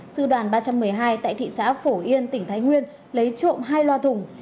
sư đoàn ba trăm một mươi hai tại thị xã phổ yên tỉnh thái nguyên lấy trộm hai loa thùng